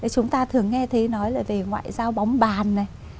chúng ta thường nghe thấy nói là về ngoại giao bóng bàn này